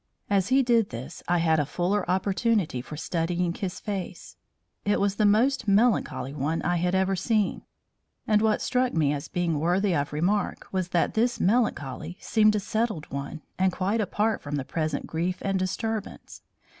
As he did this I had a fuller opportunity for studying his face. It was the most melancholy one I had ever seen, and what struck me as being worthy of remark was that this melancholy seemed a settled one and quite apart from the present grief and disturbance.